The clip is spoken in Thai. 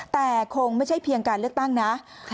แต่คงไม่ใช่เพียงการเลือกตั้งนะ